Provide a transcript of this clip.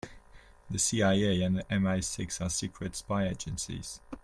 The CIA and MI-Six are secret spy agencies.